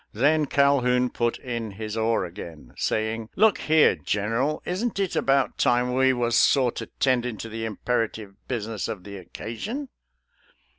Then Calhoun put in his oar again, saying, " Look here. General, isn't it about time we was sorter 'tendin' to the imperative business of the occasion?"